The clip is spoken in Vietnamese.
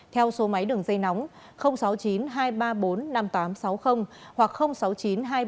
theo số máy đường dây nóng sáu mươi chín hai trăm ba mươi bốn năm nghìn tám trăm sáu mươi hoặc sáu mươi chín hai trăm ba mươi hai một nghìn sáu trăm